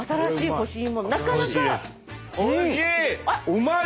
うまい！